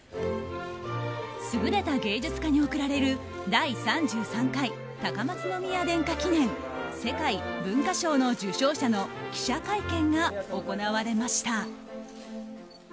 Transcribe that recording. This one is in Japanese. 優れた芸術家に贈られる第３３回高松宮殿下記念世界文化賞の受賞者の記者会見が行われました。